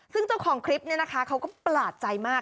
ซึ่งเจ้าของคลิปนี้นะคะเขาก็ประหลาดใจมาก